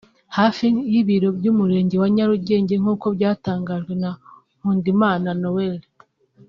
hafi y’Ibiro by’Umurenge wa Nyarugenge nk’uko byatangajwe na Nkundimana Noel